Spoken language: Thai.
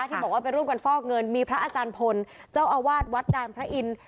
ที่บอกว่าไปร่วมกันฟอกเงินมีพระอาจารย์พลเจ้าอาวาสวัดดานพระอินทร์